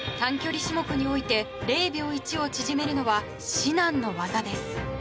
短距離種目において０秒１を縮めるのは至難の業です。